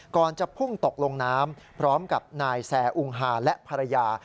ก่อนจะพุ่งตกลงน้ำพร้อมกับนายแซ่อุงฮาและภรรยา